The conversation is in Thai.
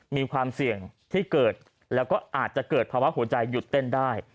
มีความเสี่ยงที่เกิดแล้วก็อาจจะเกิดภาวะหัวใจหยุดเต้นได้